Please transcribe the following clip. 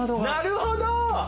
なるほど！